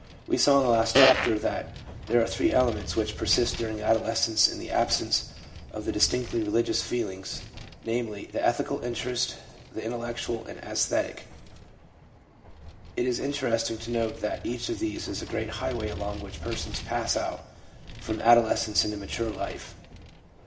We saw in the last chapter that there are three elements which persist during adolescence in the absence of the distinctly reli gious feelings, namely, the ethical interest, the intel lectual and the aesthetic. It is interesting to note that each of these is a great highway along which persons pass out from adolescence into mature life.